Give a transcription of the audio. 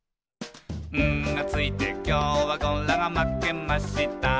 「『ん』がついてきょうはゴラがまけました」